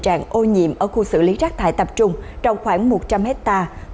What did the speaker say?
trạng ô nhiễm ở khu xử lý rác thải tập trung trồng khoảng một trăm linh hectare